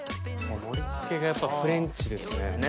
盛り付けがやっぱフレンチですね。